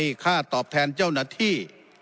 มีค่าตอบแทนเจ้าหน้าที่